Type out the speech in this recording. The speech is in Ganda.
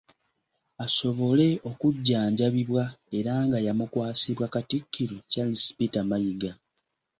Asobole okujjanjabibwa era nga yamukwasibwa Katikkiro Charles Peter Mayiga.